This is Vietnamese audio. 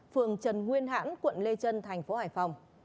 phường trần nguyên hãn quận lê trân tp hải phòng